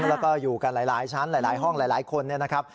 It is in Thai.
แล้วก็อยู่กันหลายชั้นหลายห้องหลายคนเนี่ยนะครับ